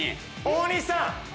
大西さん！